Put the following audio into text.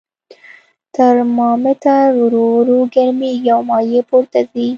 ترمامتر ورو ورو ګرمیږي او مایع پورته ځي.